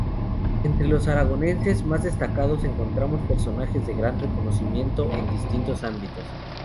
Entre los aragoneses más destacados encontramos personajes de gran reconocimiento en distintos ámbitos.